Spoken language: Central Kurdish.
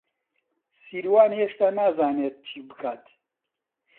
سیروان هێشتا نازانێت چی بکات.